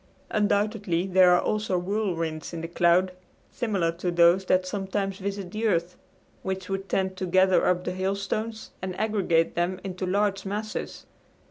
Undoubtedly there are also whirlwinds in the cloud, similar to those that sometimes visit the earth, which would tend to gather up the hailstones and aggregate them into large masses.